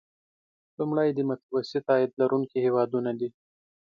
لومړی د متوسط عاید لرونکي هیوادونه دي.